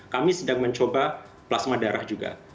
kami sedang mencoba plasma darah juga